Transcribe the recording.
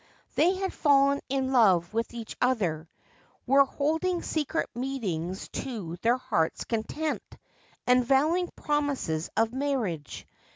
They had fallen in love with each other, were holding secret meetings to their hearts' content, and vowing promises of marriage.